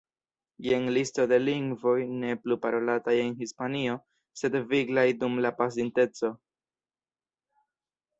Jen listo de lingvoj ne plu parolataj en Hispanio, sed viglaj dum la pasinteco.